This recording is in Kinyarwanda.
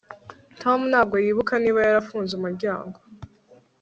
Tom ntabwo yibuka niba yarafunze umuryango